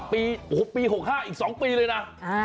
ปี๖๕อีก๒ปีเลยนะ